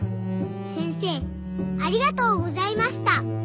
せんせいありがとうございました。